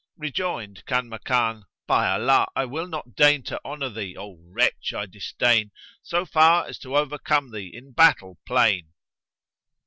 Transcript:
Rejoined Kanmakan, "By Allah, I will not deign to honour thee, O wretch I disdain, so far as to overcome thee in battle plain!"